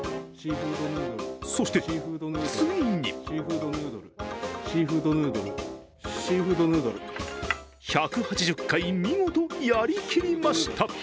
そして、ついに１８０回、見事やりきりました。